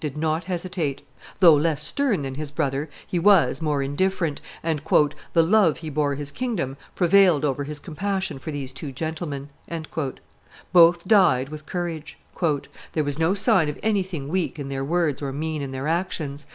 did not hesitate: though less stern than his brother, he was, more indifferent, and "the love he bore his kingdom prevailed over his compassion for these two gentlemen." Both died with courage. "There was no sign of anything weak in their words or mean in their actions.